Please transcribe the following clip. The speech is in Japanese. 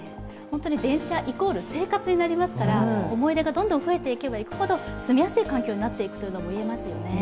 電車イコール生活になりますから思い出が増えていけば行くほど住みやすい環境になっていくともいえますよね。